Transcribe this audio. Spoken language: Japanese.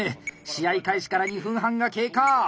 試合開始から２分半が経過。